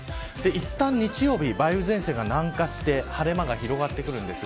いったん日曜日、梅雨前線が南下して晴れ間が広がってきます。